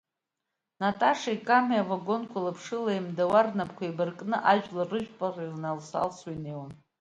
Наташеи Камеи авагонқәа лаԥшыла еимдауа, рнапқәа еибаркны, ажәлар рыжәпара иналс-аалсуа инеиуан.